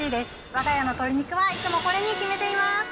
わが家の鶏肉は、いつもこれに決めています。